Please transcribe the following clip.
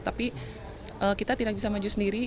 tapi kita tidak bisa maju sendiri